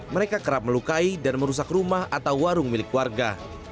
mereka kerap melukai dan merusak rumah atau warung milik warga